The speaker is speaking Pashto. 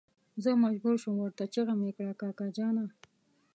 زه مجبور شوم ورته چيغه مې کړه کاکا جانه.